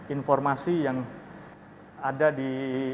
informasi yang ada di